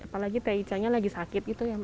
apalagi t'aisyah lagi sakit gitu ya ma